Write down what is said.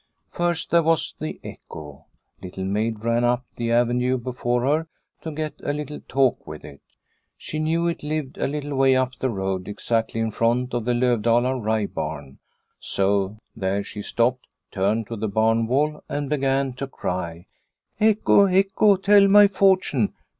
First there was the echo. Little Maid ran up the avenue before her to get a little talk with it. She knew it lived a little 202 A Spring Evening 203 way up the road, exactly in front of the Lovdala rye barn, so there she stopped, turned to the barn wall, and began to cry :" Echo, echo, tell my fortune